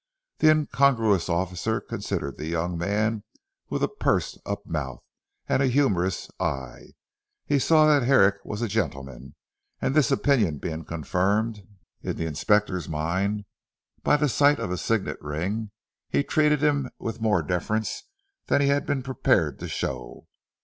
This incongruous officer considered the young man with a pursed up mouth and a humorsome eye. He saw that Herrick was a gentleman, and this opinion being confirmed in the Inspector's mind by the sight of a signet ring, he treated him with more deference than he had been prepared to show.